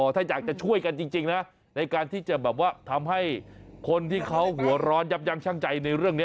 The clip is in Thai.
ถ้าอยากจะช่วยกันจริงนะในการที่จะแบบว่าทำให้คนที่เขาหัวร้อนยับยั้งชั่งใจในเรื่องนี้